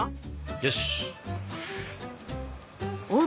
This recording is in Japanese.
よし。